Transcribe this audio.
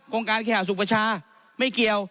โครงการแข่หาสุขประชาไม่เกี่ยว